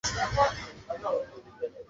হে প্রভু, এবার ওরা দুজন।